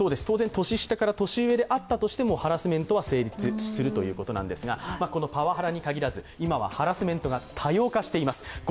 当然、年下から年上であってもハラスメントは成立するということなんですがパワハラに限らず、今はハラスメントが多様化しています。